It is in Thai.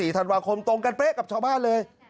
ธันวาคมตรงกันเป๊ะกับชาวบ้านเลย